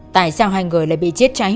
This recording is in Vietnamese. tại sao hai người lại bị chết cháy